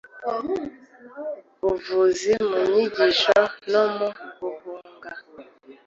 buvuzi mu nyigisho no mu buhanga